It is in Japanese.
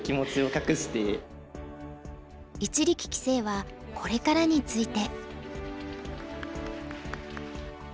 一力棋聖はこれからについて。